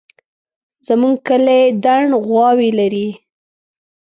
زموږ کلی دڼ غواوې لري